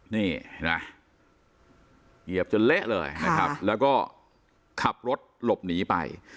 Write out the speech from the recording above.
นี่เห็นไหมเหยียบจนเละเลยนะครับแล้วก็ขับรถหลบหนีไป